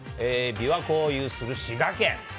琵琶湖を有する滋賀県。